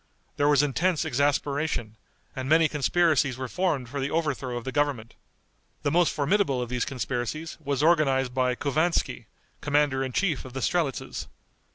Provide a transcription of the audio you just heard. There was intense exasperation, and many conspiracies were formed for the overthrow of the government. The most formidable of these conspiracies was organized by Couvanski, commander in chief of the strelitzes.